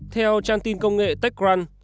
theo trang tin công nghệ techcrunch